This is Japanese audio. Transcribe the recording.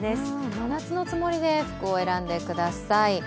真夏のつもりで服を選んでください。